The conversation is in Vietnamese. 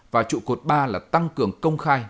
và trụ cột ba là tăng cường công khai